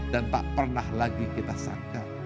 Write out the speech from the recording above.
dan tak pernah lagi kita sangka